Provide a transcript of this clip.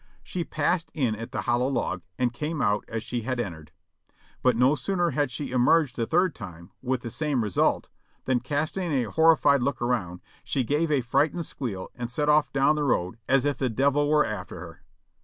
She passed in at the hollow log and came out as she had entered. But no sooner had she emerged the third time with the same result than, casting a hor rified look around, she gave a frightened squeal and set ofif down the road as if the Devil were after her."